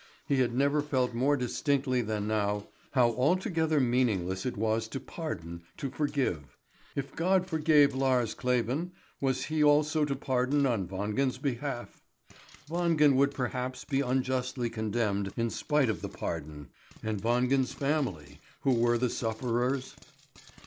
He had never felt more distinctly than now how altogether meaningless it was to pardon, to forgive. If God forgave Lars Kleven, was He also to pardon on Wangen's behalf? Wangen would perhaps be unjustly condemned, in spite of the pardon. And Wangen's family, who were the sufferers?